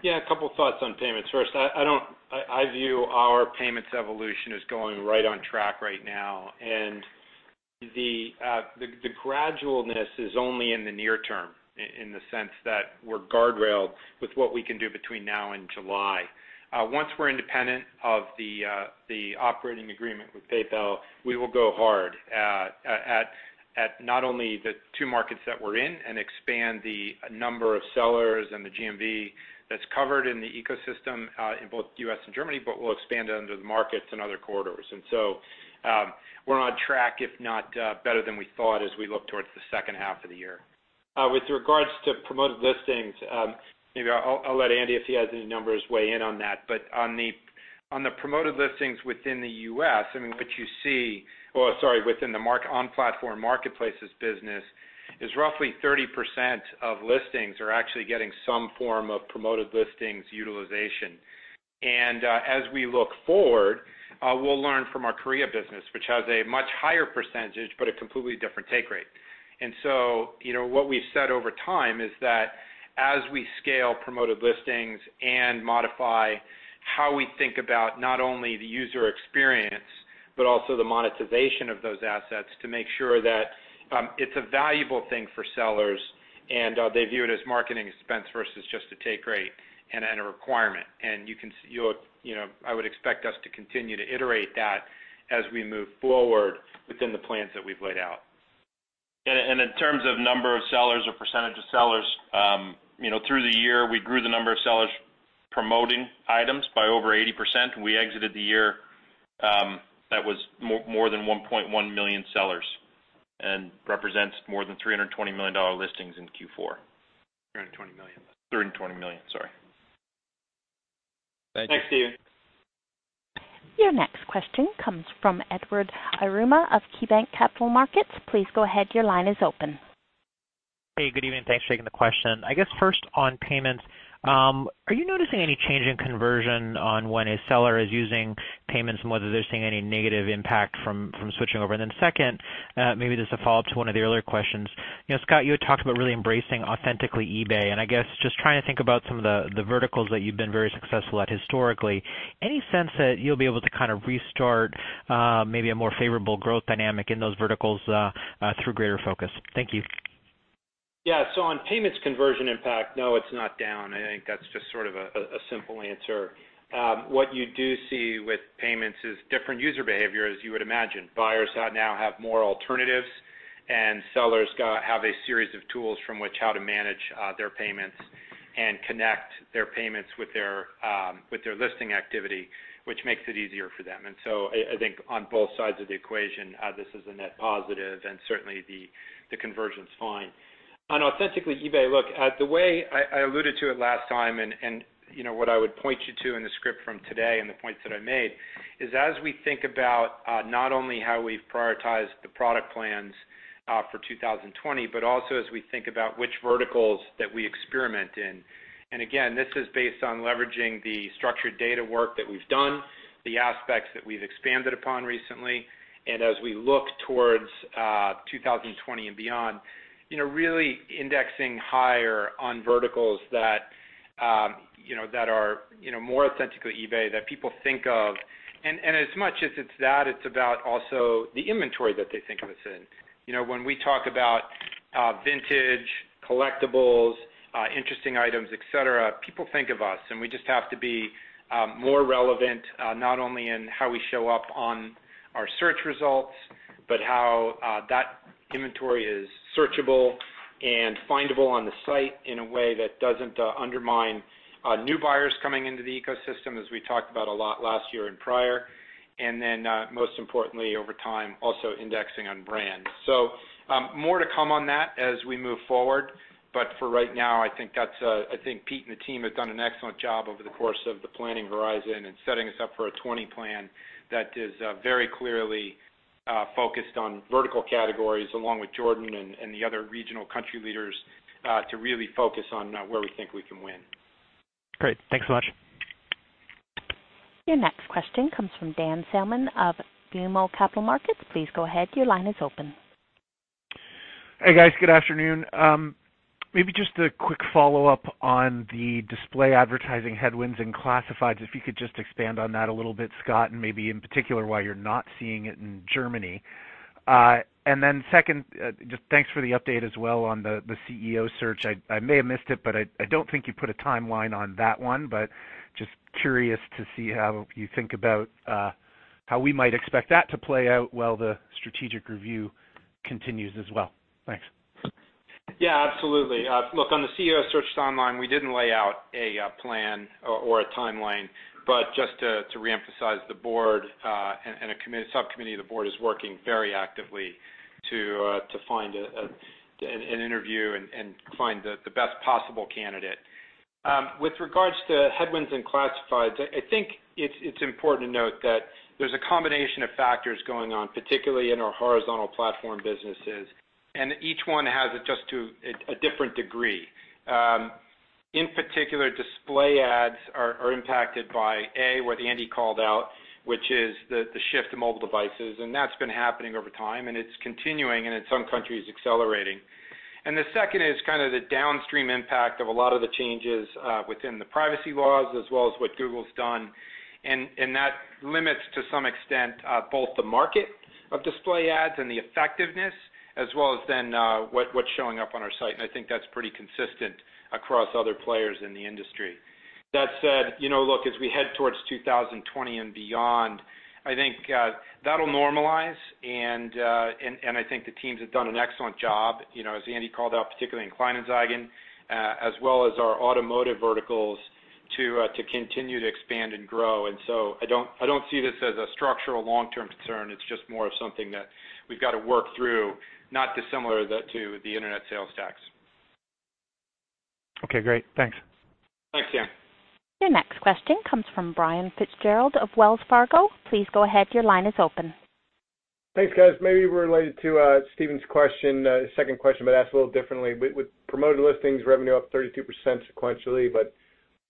A couple of thoughts on payments. I view our payments evolution is going right on track right now. The gradual-ness is only in the near term in the sense that we're guardrailed with what we can do between now and July. Once we're independent of the operating agreement with PayPal, we will go hard at not only the two markets that we're in and expand the number of sellers and the GMV that's covered in the ecosystem in both U.S. and Germany, but we'll expand it into the markets and other corridors. We're on track, if not better than we thought as we look towards the second half of the year. With regards to Promoted Listings, maybe I'll let Andy, if he has any numbers, weigh in on that. On the Promoted Listings within the on-platform marketplaces business, is roughly 30% of listings are actually getting some form of Promoted Listings utilization. As we look forward, we'll learn from our Korea business, which has a much higher percentage, but a completely different take rate. You know, what we've said over time is that as we scale Promoted Listings and modify how we think about not only the user experience, but also the monetization of those assets to make sure that it's a valuable thing for sellers and they view it as marketing expense versus just a take rate and a requirement. You can You'll, you know, I would expect us to continue to iterate that as we move forward within the plans that we've laid out. In terms of number of sellers or percentage of sellers, you know, through the year, we grew the number of sellers promoting items by over 80%. We exited the year, that was more than 1.1 million sellers, and represents more than $320 million listings in Q4. $320 million. $320 million, sorry. Thank you. Thanks, Stephen. Your next question comes from Edward Yruma of KeyBanc Capital Markets. Please go ahead, your line is open. Hey, good evening. Thanks for taking the question. I guess first on payments, are you noticing any change in conversion on when a seller is using payments and whether they're seeing any negative impact from switching over? Second, maybe just a follow-up to one of the earlier questions. You know, Scott, you had talked about really embracing authentically eBay, I guess just trying to think about some of the verticals that you've been very successful at historically. Any sense that you'll be able to kind of restart, maybe a more favorable growth dynamic in those verticals through greater focus? Thank you. On payments conversion impact, no, it's not down. I think that's just sort of a simple answer. What you do see with payments is different user behavior, as you would imagine. Buyers now have more alternatives, and sellers have a series of tools from which how to manage their payments and connect their payments with their listing activity, which makes it easier for them. I think on both sides of the equation, this is a net positive, and certainly the conversion's fine. On authentically eBay, look, the way I alluded to it last time, and, you know, what I would point you to in the script from today and the points that I made is as we think about not only how we've prioritized the product plans for 2020, but also as we think about which verticals that we experiment in. Again, this is based on leveraging the structured data work that we've done, the aspects that we've expanded upon recently, and as we look towards 2020 and beyond, you know, really indexing higher on verticals that, you know, that are, you know, more authentically eBay, that people think of. As much as it's that, it's about also the inventory that they think of us in. You know, when we talk about vintage, collectibles, interesting items, et cetera, people think of us, and we just have to be more relevant, not only in how we show up on our search results, but how that inventory is searchable and findable on the site in a way that doesn't undermine new buyers coming into the ecosystem, as we talked about a lot last year and prior. Most importantly, over time, also indexing on brands. More to come on that as we move forward. For right now, I think that's, Pete and the team have done an excellent job over the course of the planning horizon and setting us up for a 2020 plan that is very clearly focused on vertical categories along with Jordan and the other regional country leaders to really focus on where we think we can win. Great. Thanks so much. Your next question comes from Dan Salmon of BMO Capital Markets. Please go ahead, your line is open. Hey, guys. Good afternoon. Maybe just a quick follow-up on the display advertising headwinds in classifieds, if you could just expand on that a little bit, Scott, and maybe in particular, why you're not seeing it in Germany. Second, just thanks for the update as well on the CEO search. I may have missed it, but I don't think you put a timeline on that one. Just curious to see how you think about how we might expect that to play out while the strategic review continues as well. Thanks. Yeah, absolutely. Look, on the CEO search timeline, we didn't lay out a plan or a timeline. Just to reemphasize the board, and a subcommittee of the board is working very actively to find an interview and find the best possible candidate. With regards to headwinds and classifieds, I think it's important to note that there's a combination of factors going on, particularly in our horizontal platform businesses, and each one has it just to a different degree. In particular, display ads are impacted by, A, what Andy called out, which is the shift to mobile devices. And that's been happening over time, and it's continuing, and in some countries accelerating. The second is kinda the downstream impact of a lot of the changes within the privacy laws as well as what Google's done. That limits, to some extent, both the market of display ads and the effectiveness, as well as then, what's showing up on our site. I think that's pretty consistent across other players in the industry. That said, you know, look, as we head towards 2020 and beyond, I think that'll normalize and I think the teams have done an excellent job, you know, as Andy called out, particularly in Kleinanzeigen, as well as our automotive verticals to continue to expand and grow. I don't see this as a structural long-term concern. It's just more of something that we've gotta work through, not dissimilar to the internet sales tax. Okay, great. Thanks. Thanks, Dan. Your next question comes from Brian Fitzgerald of Wells Fargo. Please go ahead, your line is open. Thanks, guys. Maybe related to Stephen's question, second question, but asked a little differently. With Promoted Listings revenue up 32% sequentially, but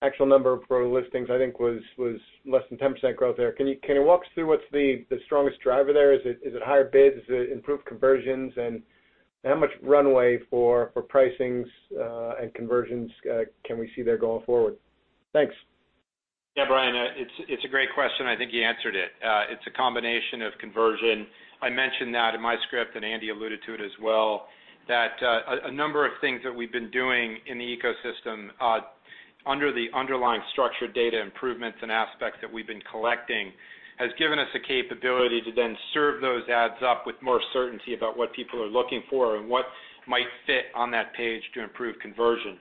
actual number of Promoted Listings I think was less than 10% growth there. Can you walk us through what's the strongest driver there? Is it higher bids? Is it improved conversions? How much runway for pricings and conversions can we see there going forward? Thanks. Brian, it's a great question. I think you answered it. It's a combination of conversion. I mentioned that in my script. Andy alluded to it as well, that a number of things that we've been doing in the ecosystem, under the underlying structured data improvements and aspects that we've been collecting, has given us the capability to then serve those ads up with more certainty about what people are looking for and what might fit on that page to improve conversion.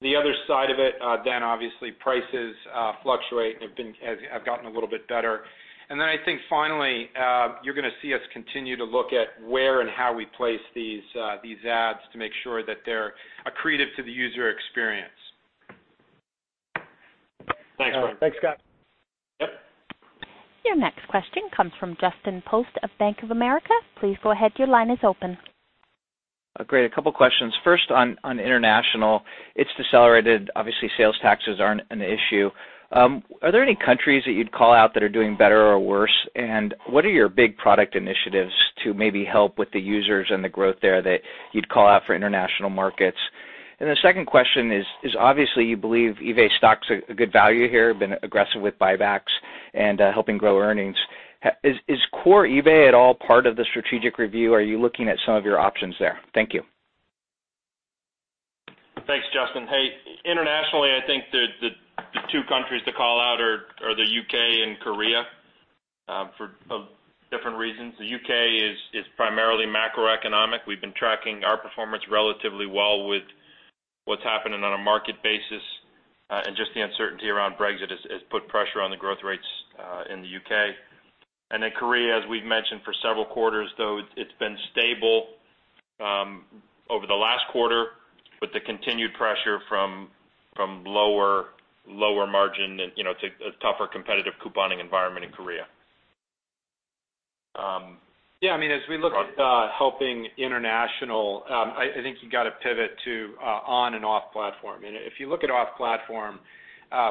The other side of it, obviously prices fluctuate and have gotten a little bit better. I think finally, you're gonna see us continue to look at where and how we place these ads to make sure that they're accretive to the user experience. Thanks, Brian. Thanks, Scott. Yep. Your next question comes from Justin Post of Bank of America. Please go ahead, your line is open. Great. A couple questions. First, on international, it's decelerated. Obviously, sales taxes aren't an issue. Are there any countries that you'd call out that are doing better or worse? What are your big product initiatives to maybe help with the users and the growth there that you'd call out for international markets? The second question is, obviously you believe eBay stock's a good value here, been aggressive with buybacks and helping grow earnings. Is core eBay at all part of the strategic review? Are you looking at some of your options there? Thank you. Thanks, Justin. Internationally, I think the two countries to call out are the U.K. and Korea for different reasons. The U.K. is primarily macroeconomic. We've been tracking our performance relatively well with what's happening on a market basis, just the uncertainty around Brexit has put pressure on the growth rates in the U.K. Then Korea, as we've mentioned for several quarters, though it's been stable over the last quarter with the continued pressure from lower margin and, you know, to a tougher competitive couponing environment in Korea. I mean, as we look at helping international, I think you gotta pivot to on and off platform. If you look at off platform,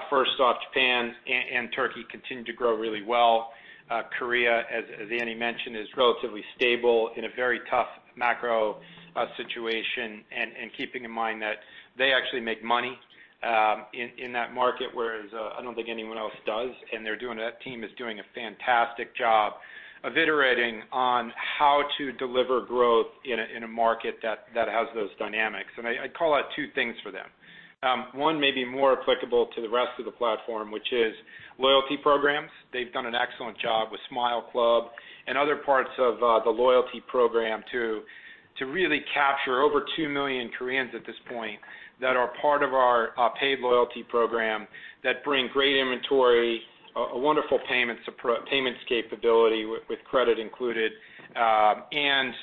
first off, Japan and Turkey continue to grow really well. Korea, as Andy mentioned, is relatively stable in a very tough macro situation and keeping in mind that they actually make money in that market, whereas I don't think anyone else does. That team is doing a fantastic job of iterating on how to deliver growth in a market that has those dynamics. I'd call out two things for them. One may be more applicable to the rest of the platform, which is loyalty programs. They've done an excellent job with Smile Club and other parts of the loyalty program to really capture over 2 million Koreans at this point that are part of our paid loyalty program that bring great inventory, a wonderful payments capability with credit included, and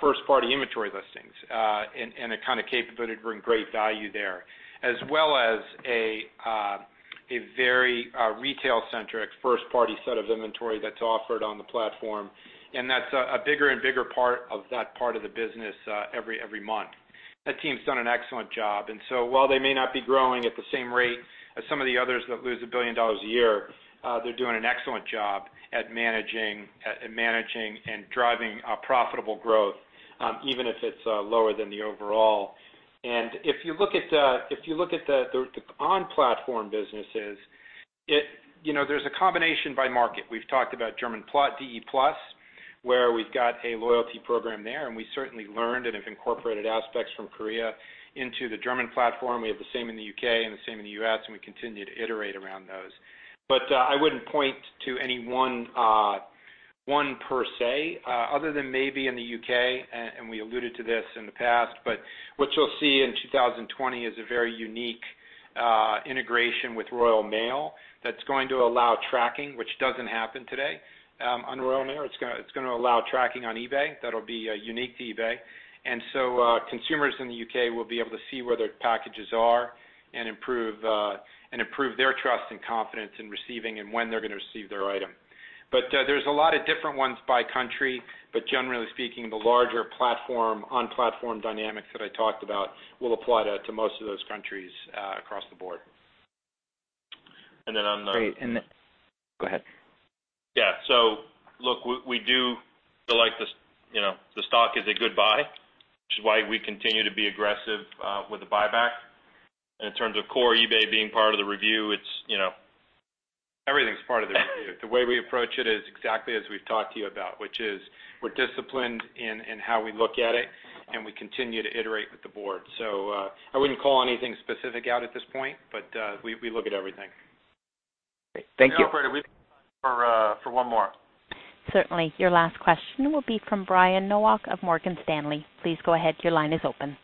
first-party inventory listings, and a kind of capability to bring great value there, as well as a very retail-centric first-party set of inventory that's offered on the platform. That's a bigger and bigger part of that part of the business every month. That team's done an excellent job. While they may not be growing at the same rate as some of the others that lose $1 billion a year, they're doing an excellent job at managing and driving a profitable growth, even if it's lower than the overall. If you look at the on-platform businesses, you know, there's a combination by market. We've talked about Germany Plus, where we've got a loyalty program there, and we certainly learned and have incorporated aspects from Korea into the German platform. We have the same in the U.K. and the same in the U.S., and we continue to iterate around those. I wouldn't point to any one per se, other than maybe in the U.K., and we alluded to this in the past, but what you'll see in 2020 is a very unique integration with Royal Mail that's going to allow tracking, which doesn't happen today on Royal Mail. It's gonna allow tracking on eBay. That'll be unique to eBay. Consumers in the U.K. will be able to see where their packages are and improve their trust and confidence in receiving and when they're gonna receive their item. There's a lot of different ones by country, but generally speaking, the larger platform on platform dynamics that I talked about will apply to most of those countries across the board. And then on the- Great. Go ahead. Yeah. Look, we do feel like the, you know, the stock is a good buy, which is why we continue to be aggressive with the buyback. In terms of core eBay being part of the review, it's, you know, everything's part of the review. The way we approach it is exactly as we've talked to you about, which is we're disciplined in how we look at it, and we continue to iterate with the board. I wouldn't call anything specific out at this point, but we look at everything. Great. Thank you. Operator, we have time for one more. Certainly. Your last question will be from Brian Nowak of Morgan Stanley. Please go ahead. Your line is open.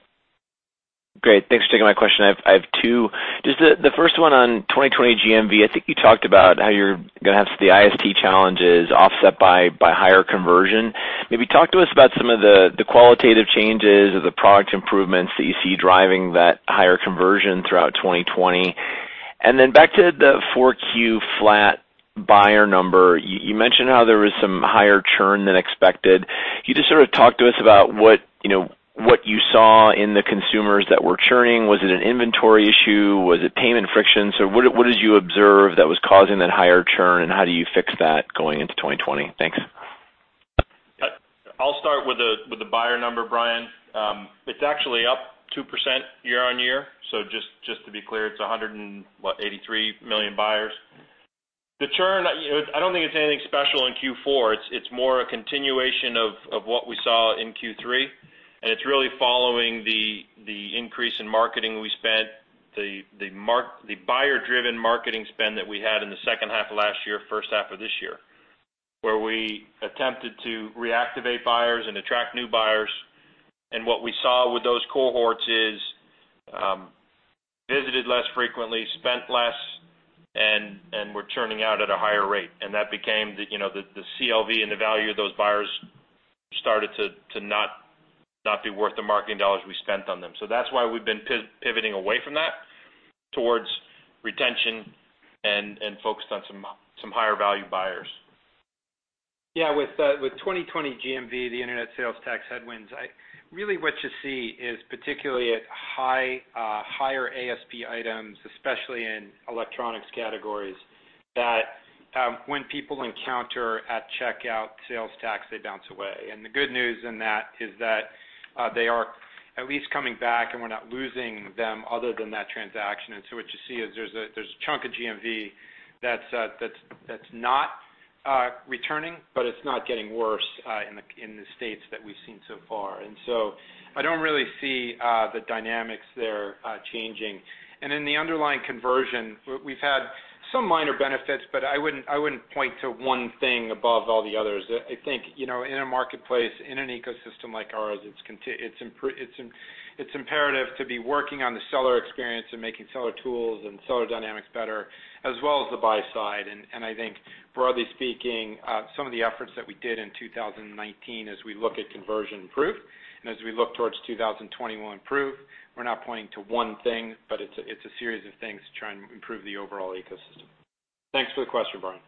Great. Thanks for taking my question. I have two. Just the first one on 2020 GMV. I think you talked about how you're gonna have the IST challenges offset by higher conversion. Maybe talk to us about some of the qualitative changes or the product improvements that you see driving that higher conversion throughout 2020. Back to the Q4 flat buyer number. You mentioned how there was some higher churn than expected. Can you just sort of talk to us about what, you know, what you saw in the consumers that were churning? Was it an inventory issue? Was it payment friction? What did you observe that was causing that higher churn, and how do you fix that going into 2020? Thanks. I'll start with the buyer number, Brian. It's actually up 2% year-over-year. Just to be clear, it's 183 million buyers. The churn, you know, I don't think it's anything special in Q4. It's more a continuation of what we saw in Q3, and it's really following the increase in marketing we spent, the buyer-driven marketing spend that we had in the second half of last year, first half of this year, where we attempted to reactivate buyers and attract new buyers. What we saw with those cohorts is, visited less frequently, spent less and were churning out at a higher rate. That became the, you know, CLV and the value of those buyers started to not be worth the marketing dollars we spent on them. That's why we've been pivoting away from that towards retention and focused on some higher value buyers. Yeah. With 2020 GMV, the internet sales tax headwinds, really what you see is particularly at high, higher ASP items, especially in electronics categories, that when people encounter at checkout sales tax, they bounce away. The good news in that is that they are at least coming back, and we're not losing them other than that transaction. What you see is there's a chunk of GMV that's not returning, but it's not getting worse in the states that we've seen so far. I don't really see the dynamics there changing. In the underlying conversion, we've had some minor benefits, but I wouldn't point to one thing above all the others. I think, you know, in a marketplace, in an ecosystem like ours, it's imperative to be working on the seller experience and making seller tools and seller dynamics better, as well as the buy side. I think broadly speaking, some of the efforts that we did in 2019 as we look at conversion improved and as we look towards 2020 will improve. We're not pointing to one thing, but it's a, it's a series of things to try and improve the overall ecosystem. Thanks for the question, Brian.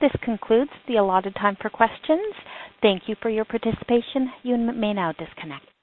This concludes the allotted time for questions. Thank you for your participation. You may now disconnect.